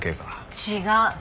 違う。